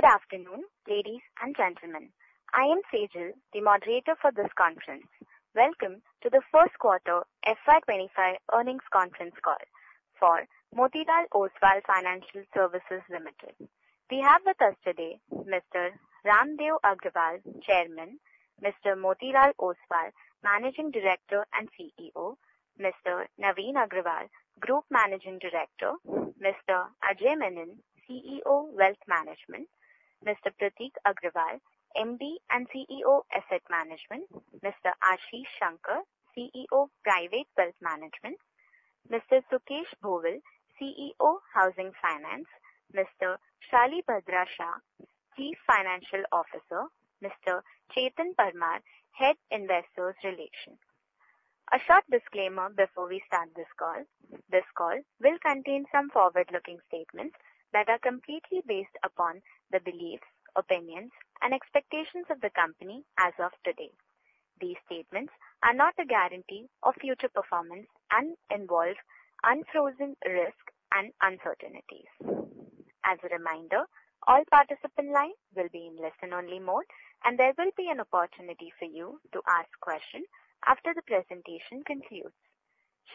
Good afternoon, ladies and gentlemen. I am Sejal, the moderator for this conference. Welcome to the first quarter FY 2025 earnings conference call for Motilal Oswal Financial Services Limited. We have with us today Mr. Raamdeo Agrawal, Chairman, Mr. Motilal Oswal, Managing Director and CEO, Mr. Navin Agarwal, Group Managing Director, Mr. Ajay Menon, CEO, Wealth Management, Mr. Prateek Agrawal, MD and CEO, Asset Management, Mr. Ashish Shanker, CEO, Private Wealth Management, Mr. Sukesh Bhowal, CEO, Housing Finance, Mr. Shalibhadra Shah, Chief Financial Officer, Mr. Chetan Parmar, Head Investor Relations. A short disclaimer before we start this call. This call will contain some forward-looking statements that are completely based upon the beliefs, opinions, and expectations of the company as of today. These statements are not a guarantee of future performance and involve unforeseen risk and uncertainties. As a reminder, all participants' lines will be in listen-only mode, and there will be an opportunity for you to ask questions after the presentation concludes.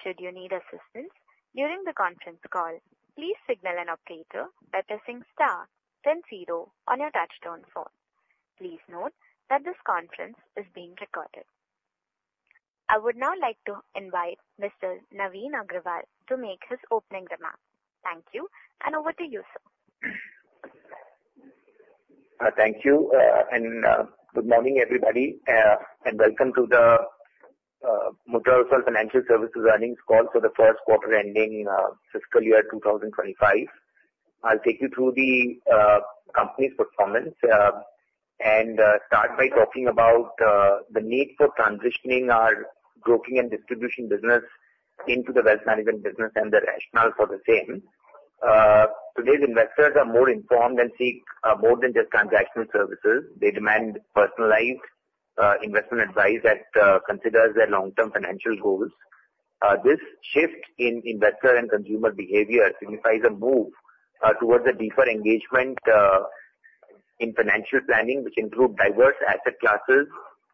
Should you need assistance during the conference call, please signal an operator by pressing star 10 on your touch-tone phone. Please note that this conference is being recorded. I would now like to invite Mr. Navin Agarwal to make his opening remarks. Thank you, and over to you, sir. Thank you, and good morning, everybody, and welcome to the Motilal Oswal Financial Services earnings call for the first quarter ending fiscal year 2025. I'll take you through the company's performance and start by talking about the need for transitioning our broking and distribution business into the wealth management business and the rationale for the same. Today's investors are more informed and seek more than just transactional services. They demand personalized investment advice that considers their long-term financial goals. This shift in investor and consumer behavior signifies a move towards a deeper engagement in financial planning, which includes diverse asset classes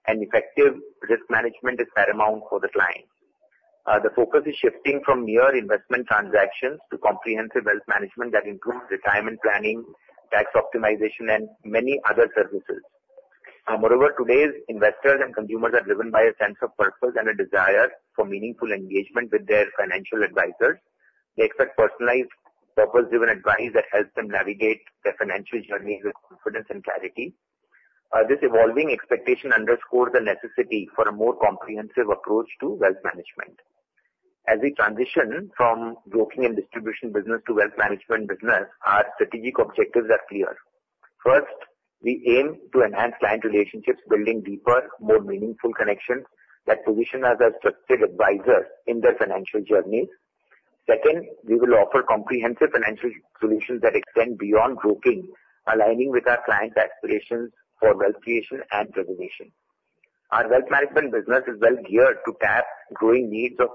and effective risk management as paramount for the client. The focus is shifting from mere investment transactions to comprehensive wealth management that includes retirement planning, tax optimization, and many other services. Moreover, today's investors and consumers are driven by a sense of purpose and a desire for meaningful engagement with their financial advisors. They expect personalized, purpose-driven advice that helps them navigate their financial journey with confidence and clarity. This evolving expectation underscores the necessity for a more comprehensive approach to wealth management. As we transition from broking and distribution business to wealth management business, our strategic objectives are clear. First, we aim to enhance client relationships, building deeper, more meaningful connections that position us as structured advisors in their financial journeys. Second, we will offer comprehensive financial solutions that extend beyond broking, aligning with our clients' aspirations for wealth creation and preservation. Our wealth management business is well geared to tap growing needs of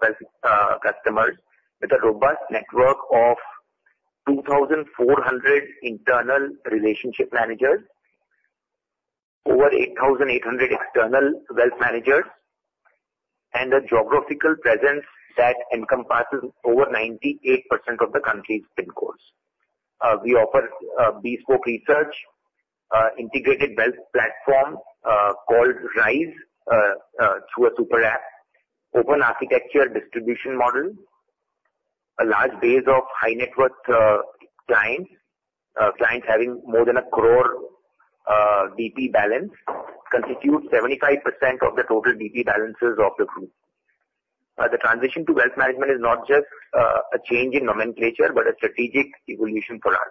customers with a robust network of 2,400 internal relationship managers, over 8,800 external wealth managers, and a geographical presence that encompasses over 98% of the country's PIN codes. We offer bespoke research, an integrated wealth platform called RISE through a super app, an open architecture distribution model. A large base of high-net-worth clients, clients having more than 1 crore DP balance, constitutes 75% of the total DP balances of the group. The transition to wealth management is not just a change in nomenclature but a strategic evolution for us.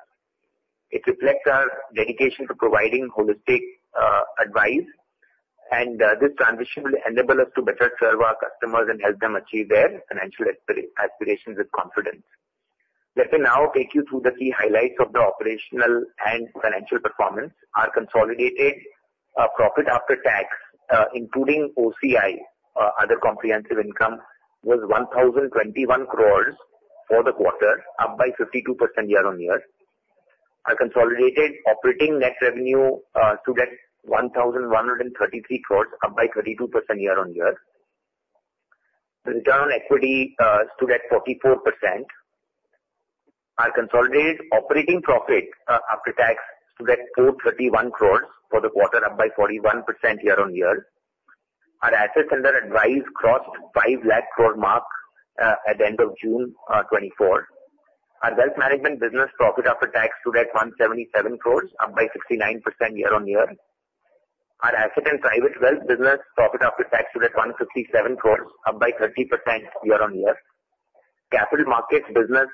It reflects our dedication to providing holistic advice, and this transition will enable us to better serve our customers and help them achieve their financial aspirations with confidence. Let me now take you through the key highlights of the operational and financial performance. Our consolidated profit after tax, including OCI, other comprehensive income, was 1,021 crores for the quarter, up by 52% year-on-year. Our consolidated operating net revenue stood at 1,133 crores, up by 32% year-on-year. The return on equity stood at 44%. Our consolidated operating profit after tax stood at 431 crores for the quarter, up by 41% year-on-year. Our assets under advice crossed the 500,000 crore mark at the end of June 2024. Our wealth management business profit after tax stood at 177 crores, up by 69% year-on-year. Our asset and private wealth business profit after tax stood at 157 crores, up by 30% year-on-year. Capital markets business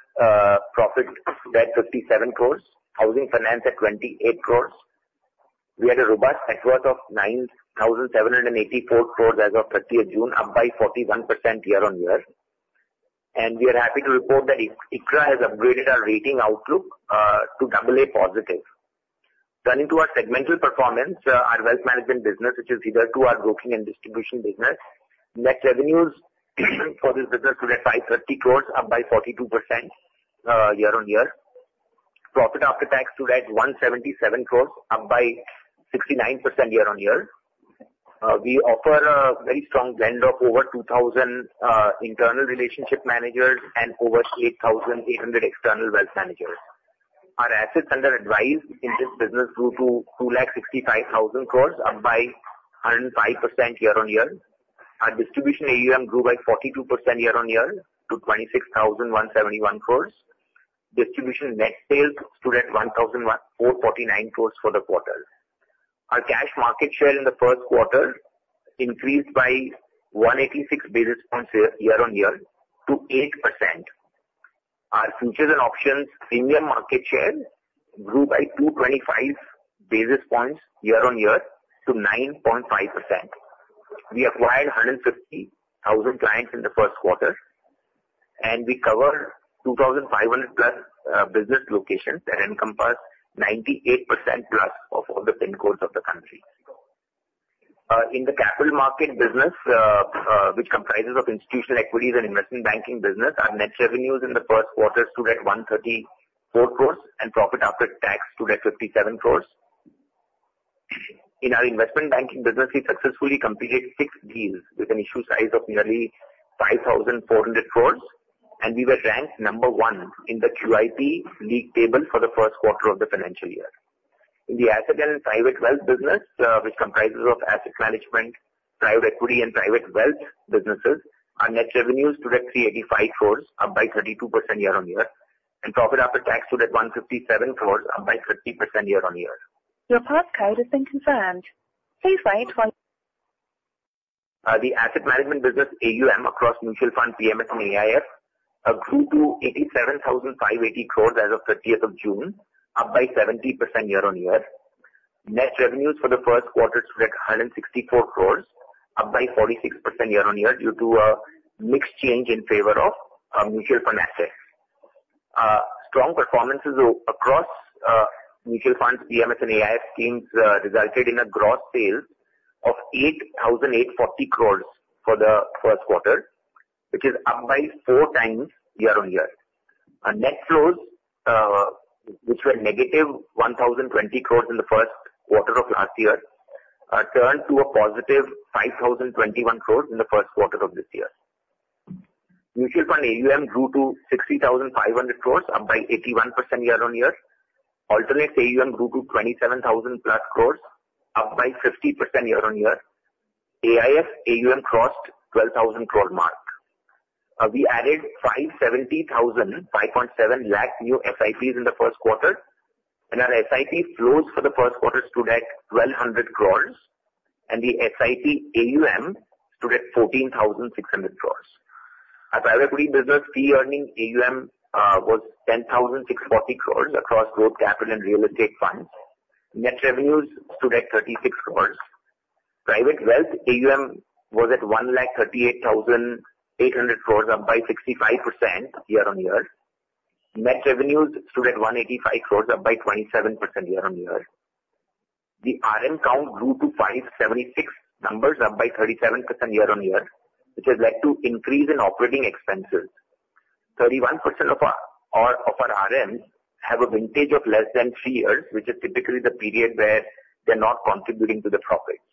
profit stood at 57 crores, housing finance at 28 crores. We had a robust net worth of 9,784 crores as of 30th June, up by 41% year-on-year. We are happy to report that ICRA has upgraded our rating outlook to AA positive. Turning to our segmental performance, our wealth management business, which is central to our broking and distribution business, net revenues for this business stood at 530 crore, up by 42% year-on-year. Profit after tax stood at 177 crore, up by 69% year-on-year. We offer a very strong blend of over 2,000 internal relationship managers and over 8,800 external wealth managers. Our assets under advice in this business grew to 265,000 crore, up by 105% year-on-year. Our distribution AUM grew by 42% year-on-year to 26,171 crore. Distribution net sales stood at 1,449 crore for the quarter. Our cash market share in the first quarter increased by 186 basis points year-on-year to 8%. Our futures and options premium market share grew by 225 basis points year-on-year to 9.5%. We acquired 150,000 clients in the first quarter, and we cover 2,500+ business locations that encompass 98%+ of all the PIN codes of the country. In the capital market business, which comprises institutional equities and investment banking business, our net revenues in the first quarter stood at 134 crore and profit after tax stood at 57 crore. In our investment banking business, we successfully completed six deals with an issue size of nearly 5,400 crore, and we were ranked number one in the QIP league table for the first quarter of the financial year. In the asset and private wealth business, which comprises asset management, private equity, and private wealth businesses, our net revenues stood at 385 crore, up by 32% year-on-year, and profit after tax stood at 157 crore, up by 30% year-on-year. The asset management business AUM across mutual fund PMS and AIF grew to 87,580 crores as of 30th June, up by 70% year-on-year. Net revenues for the first quarter stood at 164 crores, up by 46% year-on-year due to a mixed change in favor of mutual fund assets. Strong performances across mutual funds PMS and AIF schemes resulted in a gross sales of 8,840 crores for the first quarter, which is up by four times year-on-year. Our net flows, which were negative 1,020 crores in the first quarter of last year, turned to a positive 5,021 crores in the first quarter of this year. Mutual fund AUM grew to 60,500 crores, up by 81% year-on-year. Alternative AUM grew to 27,000-plus crores, up by 50% year-on-year. AIF AUM crossed the 12,000 crore mark. We added 570,000, 5.7 lakh new SIPs in the first quarter, and our SIP flows for the first quarter stood at 1,200 crores, and the SIP AUM stood at 14,600 crores. Our Private Equity business Fee earning AUM was 10,640 crores across growth capital and real estate funds. Net revenues stood at 36 crores. Private wealth AUM was at 138,800 crores, up by 65% year-on-year. Net revenues stood at 185 crores, up by 27% year-on-year. The RM count grew to 576 numbers, up by 37% year-on-year, which has led to an increase in operating expenses. 31% of our RMs have a vintage of less than three years, which is typically the period where they're not contributing to the profits.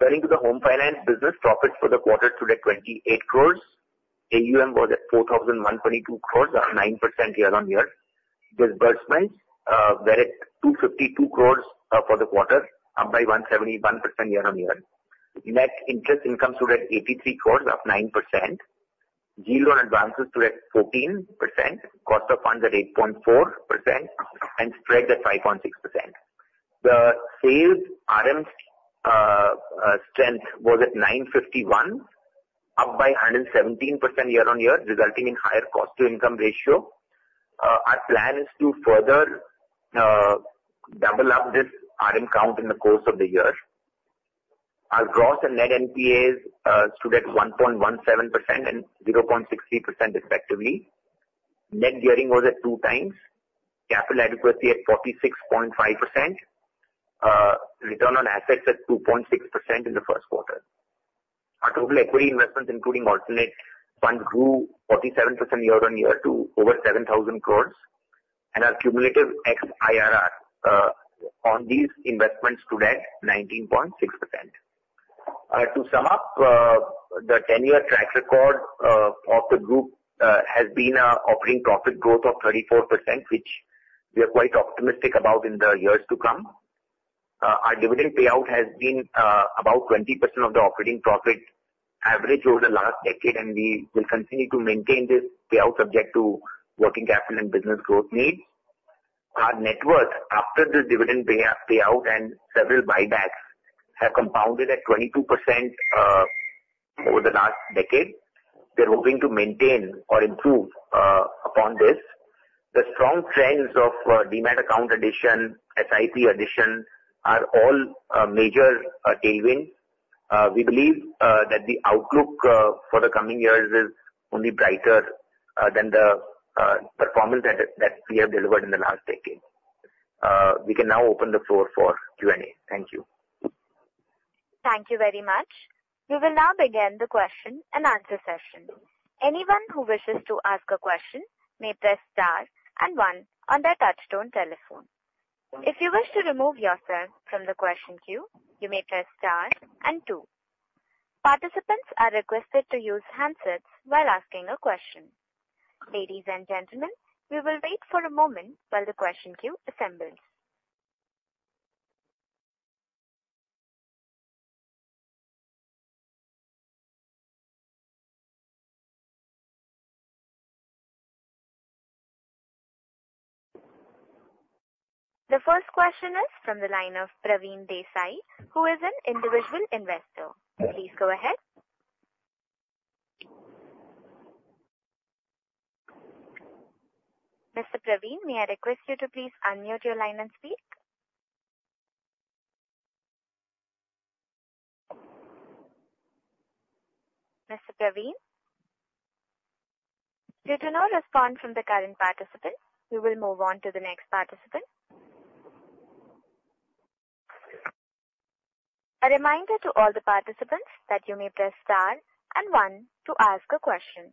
Turning to the home finance business, profits for the quarter stood at 28 crores. AUM was at 4,122 crores, up 9% year-on-year. Disbursements were at 252 crore for the quarter, up by 171% year-on-year. Net interest income stood at 83 crore, up 9%. Yield on advances stood at 14%. Cost of funds at 8.4% and spread at 5.6%. The sales RM strength was at 951, up by 117% year-on-year, resulting in a higher cost-to-income ratio. Our plan is to further double up this RM count in the course of the year. Our gross and net NPAs stood at 1.17% and 0.63% respectively. Net gearing was at 2x. Capital adequacy at 46.5%. Return on assets at 2.6% in the first quarter. Our total equity investments, including alternative funds, grew 47% year-on-year to over 7,000 crore, and our cumulative XIRR on these investments stood at 19.6%. To sum up, the 10-year track record of the group has been an operating profit growth of 34%, which we are quite optimistic about in the years to come. Our dividend payout has been about 20% of the operating profit average over the last decade, and we will continue to maintain this payout subject to working capital and business growth needs. Our net worth after the dividend payout and several buybacks has compounded at 22% over the last decade. We are hoping to maintain or improve upon this. The strong trends of Demat account addition, SIP addition are all major tailwinds. We believe that the outlook for the coming years is only brighter than the performance that we have delivered in the last decade. We can now open the floor for Q&A. Thank you. Thank you very much. We will now begin the question and answer session. Anyone who wishes to ask a question may press star and one on their touch-tone telephone. If you wish to remove yourself from the question queue, you may press star and two. Participants are requested to use handsets while asking a question. Ladies and gentlemen, we will wait for a moment while the question queue assembles. The first question is from the line of Pravin Desai, who is an individual investor. Please go ahead. Mr. Pravin, may I request you to please unmute your line and speak? Mr. Pravin? Due to no response from the current participants, we will move on to the next participant. A reminder to all the participants that you may press star and one to ask a question.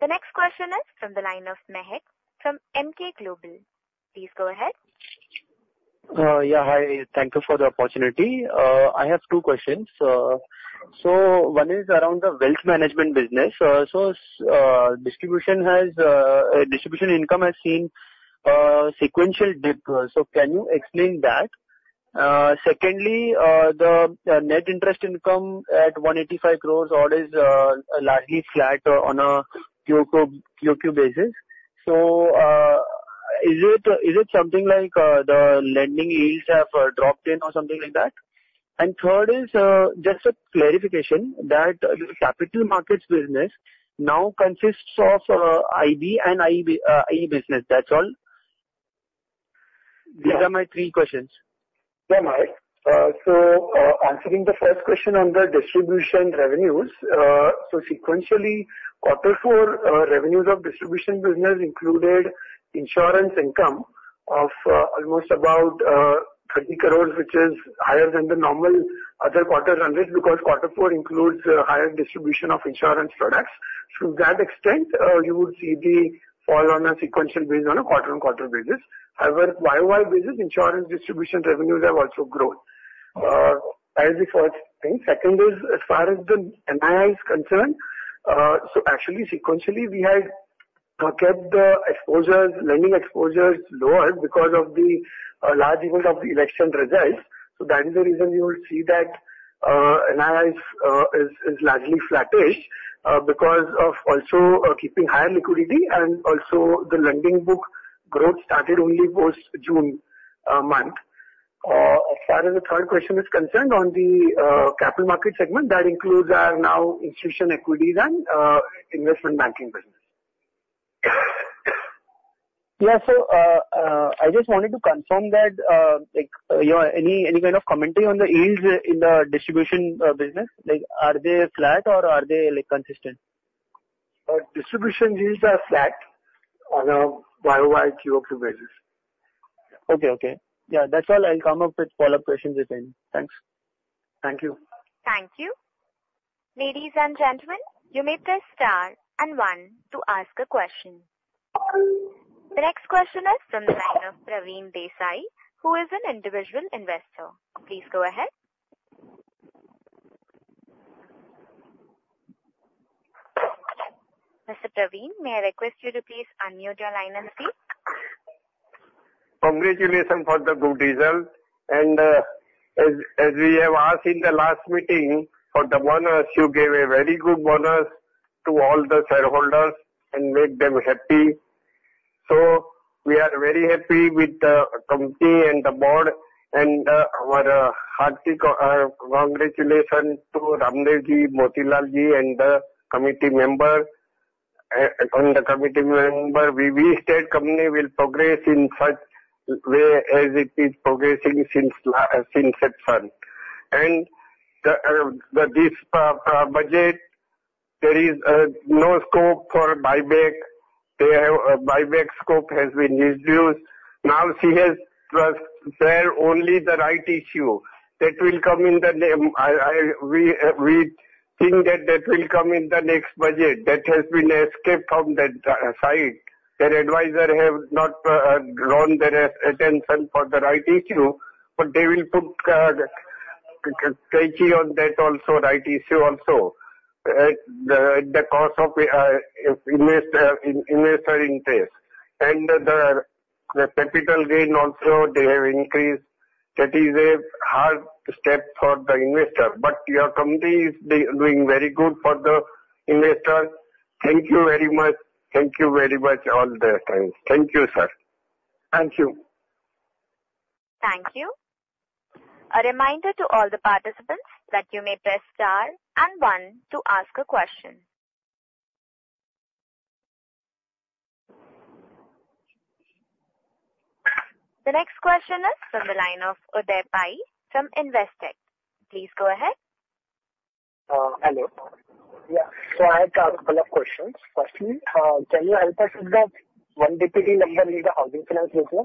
The next question is from the line of Mahek from Emkay Global Financial Services. Please go ahead. Yeah, hi. Thank you for the opportunity. I have two questions. So one is around the wealth management business. So distribution income has seen a sequential dip. So can you explain that? Secondly, the net interest income at 185 crore is largely flat on a Q-Q basis. So is it something like the lending yields have dropped in or something like that? And third is just a clarification that capital markets business now consists of IB and IE business. That's all. These are my three questions. Yeah, Mahek. So answering the first question on the distribution revenues, so sequentially, quarter four revenues of distribution business included insurance income of almost about 30 crore, which is higher than the normal other quarter runs because quarter four includes a higher distribution of insurance products. To that extent, you would see the fall on a sequential basis on a quarter-on-quarter basis. However, YoY basis, insurance distribution revenues have also grown. That is the first thing. Second is, as far as the NII is concerned, so actually, sequentially, we had kept the exposures, lending exposures, lower because of the large event of the election results. So that is the reason you will see that NII is largely flattish because of also keeping higher liquidity and also the lending book growth started only post-June month. As far as the third question is concerned on the Capital Markets segment, that includes our institutional equities and Investment Banking business. Yeah, so I just wanted to confirm that any kind of commentary on the yields in the distribution business? Are they flat or are they consistent? Distribution yields are flat on a YOY QOQ basis. Okay, okay. Yeah, that's all. I'll come up with follow-up questions if any. Thanks. Thank you. Thank you. Ladies and gentlemen, you may press star and one to ask a question. The next question is from the line of Pravin Desai, who is an individual investor. Please go ahead. Mr. Pravin, may I request you to please unmute your line and speak? Congratulations for the good result. As we have asked in the last meeting, for the bonus, you gave a very good bonus to all the shareholders and made them happy. So we are very happy with the company and the board. And our heartfelt congratulations to Raamdeoji, Motilalji, and the committee member. On the committee member, we wish that company will progress in such way as it is progressing since it's fund. And this budget, there is no scope for buyback. The buyback scope has been reduced. Now, she has to share only the rights issue that will come in the name. We think that that will come in the next budget that has been escaped from the site. Their advisor has not drawn their attention for the rights issue, but they will put caution on that also, rights issue also, the cost of investor interest. And the capital gain also, they have increased. That is a hard step for the investor. But your company is doing very good for the investor. Thank you very much. Thank you very much all the time. Thank you, sir. Thank you. Thank you. A reminder to all the participants that you may press star and one to ask a question. The next question is from the line of Uday Pai from Investec. Please go ahead. Hello. Yeah, so I have a couple of questions. Firstly, can you help us with that 1+ DPD number in the housing finance business?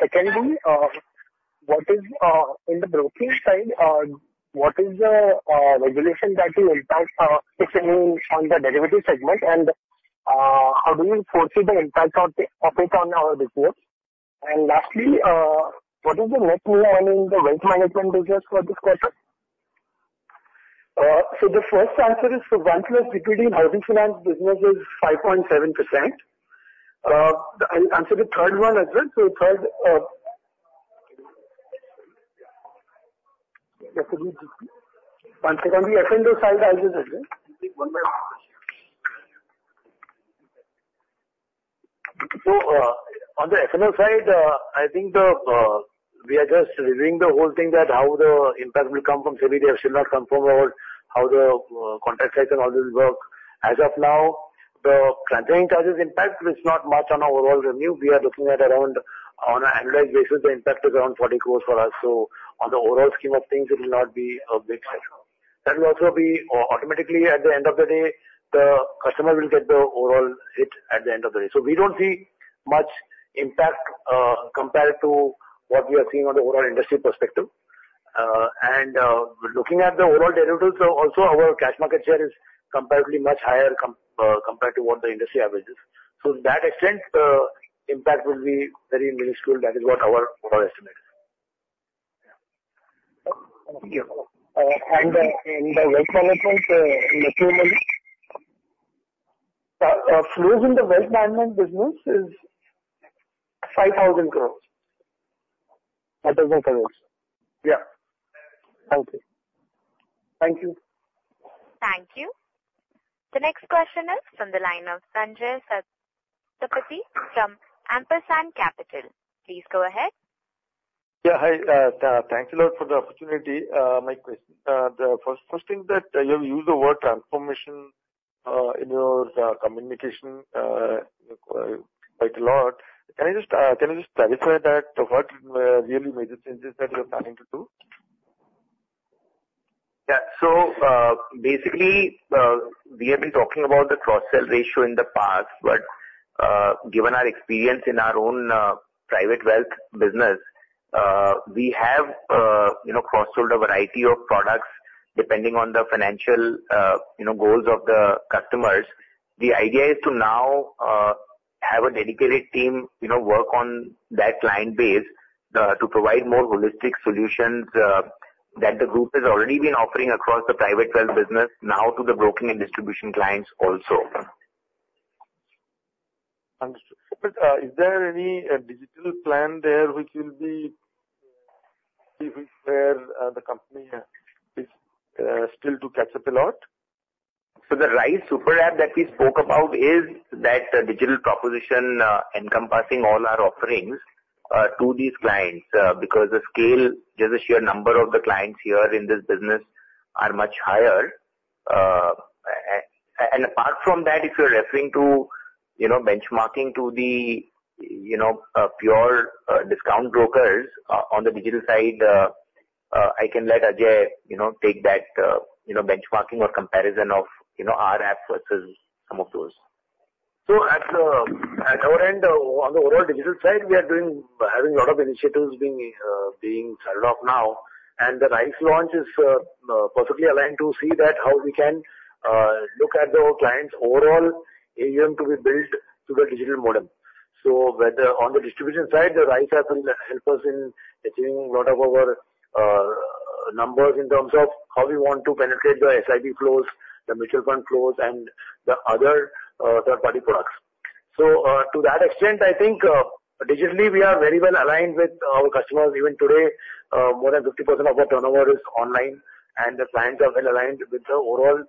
Secondly, what is in the brokerage side? What is the regulation that will impact, if any, on the derivative segment? And how do you foresee the impact of it on our business? And lastly, what is the net new money in the wealth management business for this quarter? The first answer is for 1+ DPD Housing Finance business is 5.7%. I'll answer the third one as well. Third, can we F&O side as well? On the F&O side, I think we are just reviewing the whole thing, how the impact will come from SEBI discussion paper, they have still not confirm how the contract cycle always works. As of now, the client-level charges impact is not much on our overall revenue. We are looking at around, on an annualized basis, the impact is around 40 crore for us. In the overall scheme of things, it will not be a big shift. That will also be automatically, at the end of the day, the customer will get the overall hit at the end of the day. We don't see much impact compared to what we are seeing on the overall industry perspective. Looking at the overall derivatives, also our cash market share is comparatively much higher compared to what the industry averages. To that extent, the impact will be very minuscule. That is what our overall estimate is. Thank you. In the wealth management, flows in the wealth management business is 5,000 crore. That is my conclusion. Yeah. Thank you. Thank you. Thank you. The next question is from the line of Sanjaya Satapathy from Ampersand Capital. Please go ahead. Yeah, hi. Thanks a lot for the opportunity. My question, the first thing that you have used the word transformation in your communication quite a lot. Can you just clarify that what really major changes that you are planning to do? Yeah. So basically, we have been talking about the cross-sell ratio in the past, but given our experience in our own private wealth business, we have cross-sold a variety of products depending on the financial goals of the customers. The idea is to now have a dedicated team work on that client base to provide more holistic solutions that the group has already been offering across the private wealth business now to the brokering and distribution clients also. Understood. But is there any digital plan there which will be where the company is still to catch up a lot? So the RISE super app that we spoke about is that digital proposition encompassing all our offerings to these clients because the scale, just the sheer number of the clients here in this business are much higher. Apart from that, if you're referring to benchmarking to the pure discount brokers on the digital side, I can let Ajay take that benchmarking or comparison of our app versus some of those. At our end, on the overall digital side, we are having a lot of initiatives being started off now. The RISE launch is perfectly aligned to see that how we can look at the clients' overall AUM to be built to the digital medium. On the distribution side, the RISE app will help us in achieving a lot of our numbers in terms of how we want to penetrate the SIP flows, the mutual fund flows, and the other third-party products. To that extent, I think digitally, we are very well aligned with our customers. Even today, more than 50% of our turnover is online, and the clients are well aligned with the overall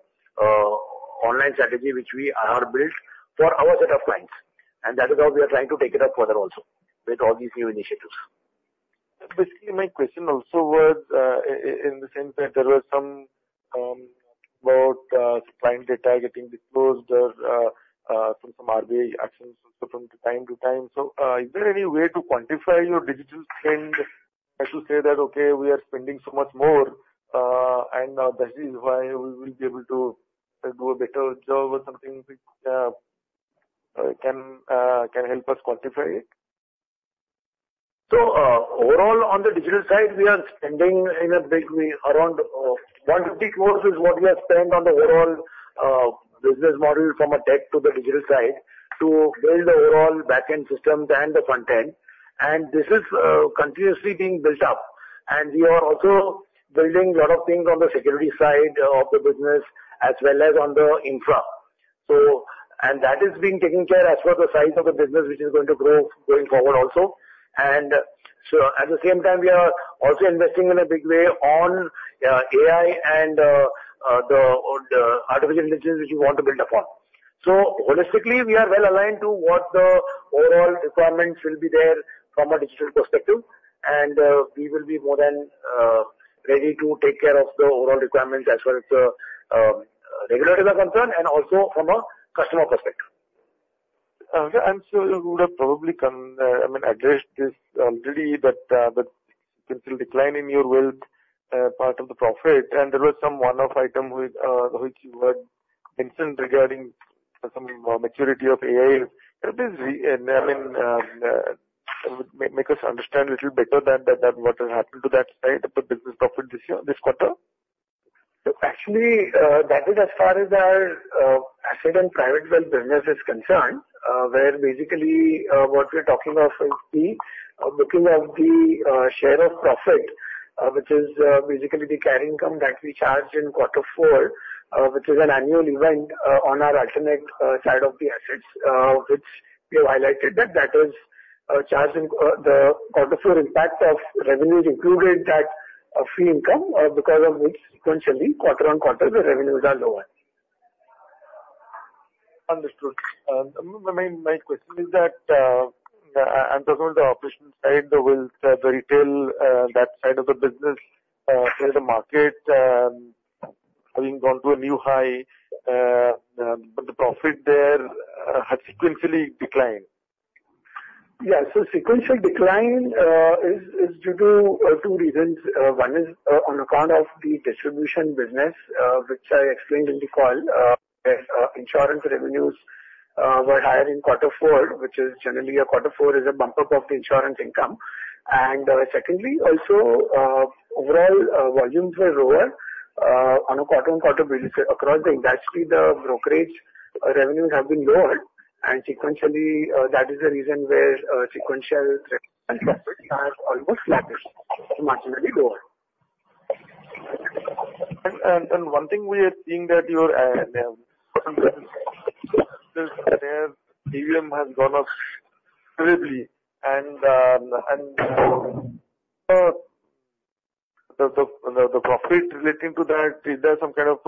online strategy which we have built for our set of clients. That is how we are trying to take it up further also with all these new initiatives. Basically, my question also was in the sense that there was some about client data getting disclosed or some RBI actions from time to time. So is there any way to quantify your digital spend as to say that, "Okay, we are spending so much more," and that is why we will be able to do a better job or something can help us quantify it? So overall, on the digital side, we are spending in a big way around 150 crore is what we have spent on the overall business model from a tech to the digital side to build the overall backend systems and the frontend. This is continuously being built up. We are also building a lot of things on the security side of the business as well as on the infra. That is being taken care as for the size of the business, which is going to grow going forward also. At the same time, we are also investing in a big way on AI and the artificial intelligence, which we want to build upon. So holistically, we are well aligned to what the overall requirements will be there from a digital perspective. We will be more than ready to take care of the overall requirements as far as the regulatory concern and also from a customer perspective. So you would have probably, I mean, addressed this already, but you can still decline in your wealth part of the profit. There was some one-off item which you had mentioned regarding some maturity of AIF. I mean, make us understand a little better than what has happened to that side of the business profit this quarter? So actually, that is as far as our Asset and Private Wealth business is concerned, where basically what we are talking of is the booking of the share of profit, which is basically the carrying income that we charge in quarter four, which is an annual event on our alternative assets, which we have highlighted that that is charged in quarter four. Impact of revenues included that carry income because of which sequentially, quarter-over-quarter, the revenues are lower. Understood. My question is that, and as well the operation side, the retail, that side of the business, the market having gone to a new high, but the profit there had sequentially declined. Yeah. So sequential decline is due to two reasons. One is on account of the distribution business, which I explained in the call. Insurance revenues were higher in quarter four, which is generally a quarter four is a bump up of the insurance income. And secondly, also overall volumes were lower on a quarter-on-quarter across the industry. The brokerage revenues have been lower. And sequentially, that is the reason where sequential profits have almost flattened, marginally lower. One thing we are seeing that your AUM has gone up terribly. The profit relating to that, is there some kind of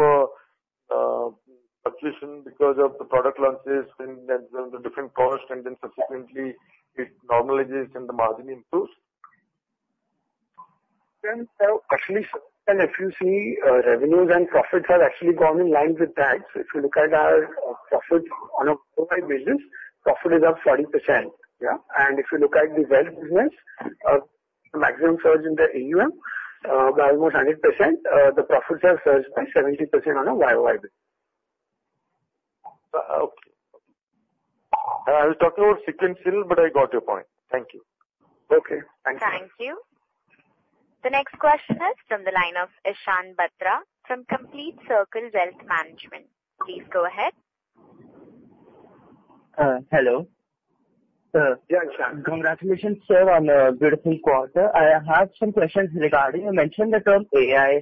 fluctuation because of the product launches and the different costs, and then subsequently it normalizes and the margin improves? Actually, if you see revenues and profits have actually gone in line with that. So if you look at our profits on a YoY basis, profit is up 40%. Yeah. And if you look at the wealth business, the maximum surge in the AUM by almost 100%, the profits have surged by 70% on a YoY basis. Okay. I was talking about sequentially, but I got your point. Thank you. Okay. Thank you. Thank you. The next question is from the line of Ishan Batra from Complete Circle Wealth Management. Please go ahead. Hello. Yeah, Ishan. Congratulations sir on a beautiful quarter. I have some questions regarding you mentioned the term AI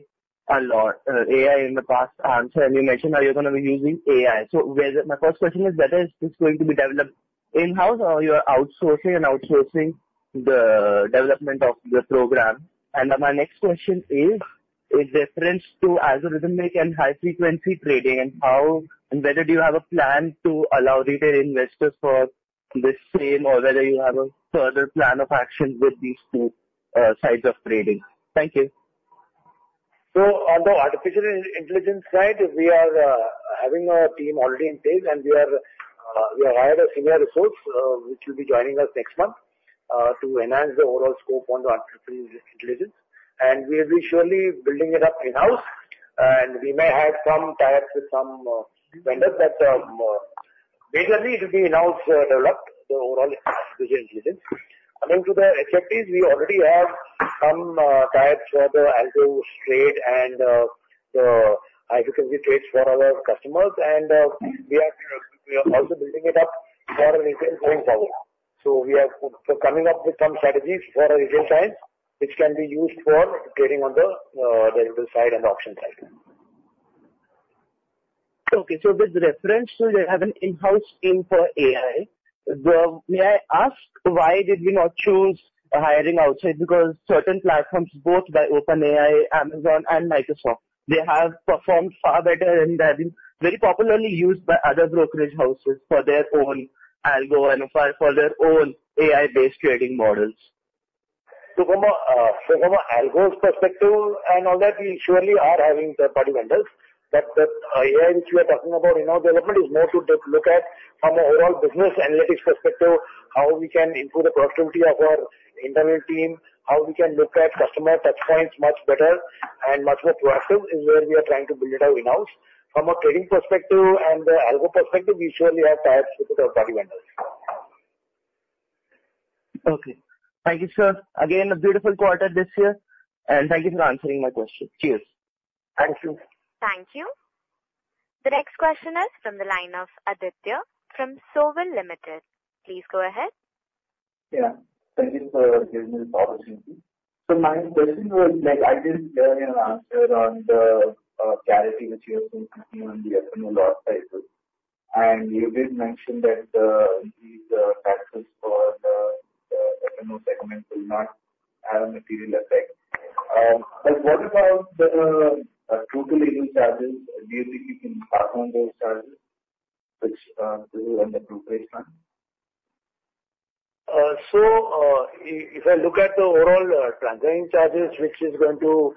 a lot. AI in the past answer. And you mentioned how you're going to be using AI. So my first question is, whether is this going to be developed in-house or you are outsourcing and outsourcing the development of the program? And my next question is, in reference to algorithmic and high-frequency trading, and whether do you have a plan to allow retail investors for the same or whether you have a further plan of action with these two sides of trading? Thank you. So on the artificial intelligence side, we are having a team already in place, and we have hired a senior resource which will be joining us next month to enhance the overall scope on the artificial intelligence. And we will be surely building it up in-house. And we may have some ties with some vendors. But majorly, it will be in-house developed, the overall artificial intelligence. Coming to the HFTs, we already have some ties for the algo trade and the high-frequency trades for our customers. And we are also building it up for retail going forward. So we are coming up with some strategies for retail side, which can be used for trading on the derivative side and the option side. Okay. So with reference to you having in-house AI, may I ask why did we not choose hiring outside? Because certain platforms, both by OpenAI, Amazon, and Microsoft, they have performed far better and have been very popularly used by other brokerage houses for their own algo and for their own AI-based trading models. So from an algo perspective and all that, we surely are having third-party vendors. But the AI which we are talking about in-house development is more to look at from an overall business analytics perspective, how we can improve the productivity of our internal team, how we can look at customer touchpoints much better and much more proactive, is where we are trying to build it out in-house. From a trading perspective and the algo perspective, we surely have ties with the third-party vendors. Okay. Thank you, sir. Again, a beautiful quarter this year. Thank you for answering my question. Cheers. Thank you. Thank you. The next question is from the line of Aditya from Sowil Limited. Please go ahead. Yeah. Thank you for giving me this opportunity. My question was, I didn't hear your answer on the clarity which you have been talking on the F&O loss cycles. You did mention that these taxes for the F&O segment will not have a material effect. What about the total legal charges? Do you think you can pass on those charges which will end up to a baseline? So if I look at the overall transaction charges, which is going to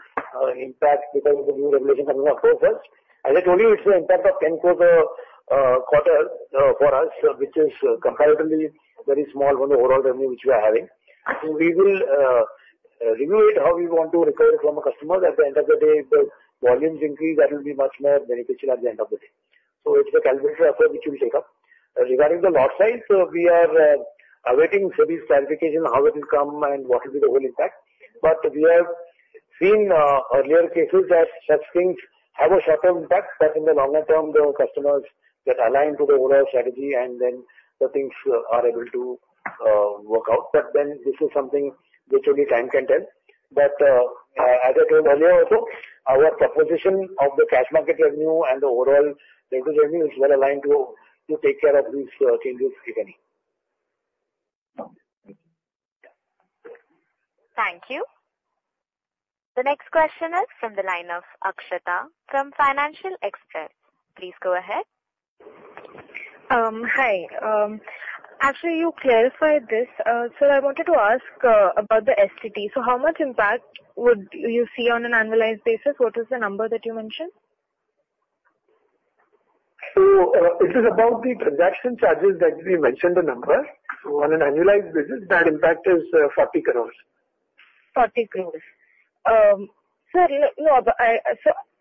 impact because of the new regulations coming up for us, as I told you, it's the impact of 10 crores for us, which is comparatively very small on the overall revenue which we are having. So we will review it how we want to recover from a customer. At the end of the day, if the volumes increase, that will be much more beneficial at the end of the day. So it's the calculator effort which will take up. Regarding the loss side, we are awaiting service clarification on how it will come and what will be the whole impact. But we have seen earlier cases that such things have a short-term impact, but in the longer term, the customers get aligned to the overall strategy, and then the things are able to work out. But then this is something which only time can tell. But as I told earlier also, our proposition of the cash market revenue and the overall leverage revenue is well aligned to take care of these changes, if any. Thank you. The next question is from the line of Akshata from Financial Express. Please go ahead. Hi. Actually, you clarified this. So I wanted to ask about the STT. So how much impact would you see on an annualized basis? What was the number that you mentioned? It is about the transaction charges that we mentioned the number. On an annualized basis, that impact is 40 crore. 40 crore. So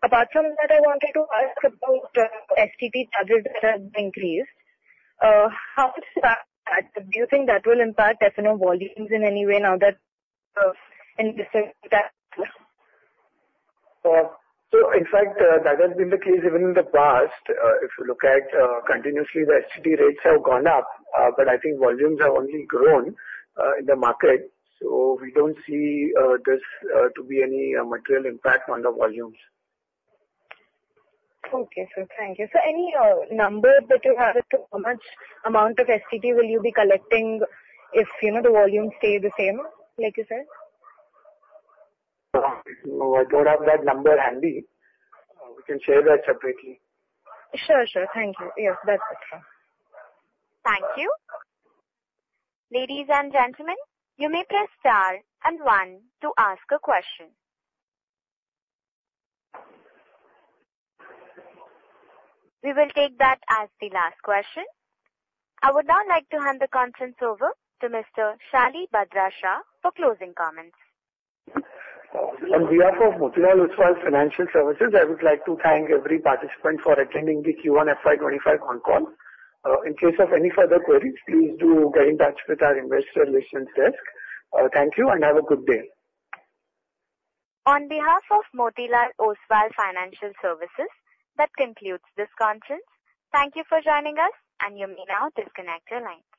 apart from that, I wanted to ask about STT charges that have increased. How much do you think that will impact F&O volumes in any way now that in this impact? So in fact, that has been the case even in the past. If you look at continuously, the STT rates have gone up, but I think volumes have only grown in the market. So we don't see this to be any material impact on the volumes. Okay. So thank you. So any number that you have as to how much amount of STT will you be collecting if the volumes stay the same, like you said? No, I don't have that number handy. We can share that separately. Sure, sure. Thank you. Yes, that's fine. Thank you. Ladies and gentlemen, you may press star and one to ask a question. We will take that as the last question. I would now like to hand the conference over to Mr. Shalibhadra Shah for closing comments. On behalf of Motilal Oswal Financial Services, I would like to thank every participant for attending the Q1 FY 2025 con-call. In case of any further queries, please do get in touch with our investor relations desk. Thank you and have a good day. On behalf of Motilal Oswal Financial Services, that concludes this conference. Thank you for joining us, and you may now disconnect your line.